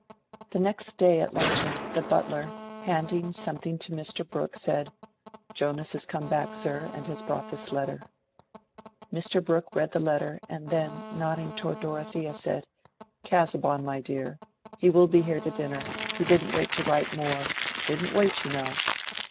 The next day, at luncheon, the butler, handing something to Mr. Brooke, said, "Jonas is come back, sir, and has brought this letter." Mr. Brooke read the letter, and then, nodding toward Dorothea, said, "Casaubon, my dear: he will be here to dinner; he didn't wait to write more—didn't wait, you know."